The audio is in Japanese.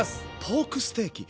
ポークステーキ。